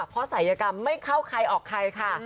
เพราะศัยกรรมไม่เข้าใครออกใครค่ะ